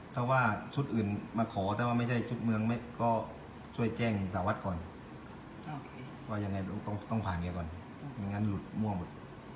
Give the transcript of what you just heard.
ถ้าว่าชุดอื่นมาขอถ้าว่าไม่ใช่ชุดเมืองก็ช่วยแจ้งสหรัฐก่อนว่ายังไงต้องผ่านแกก่อนไม่งั้นหลุดมั่วหมด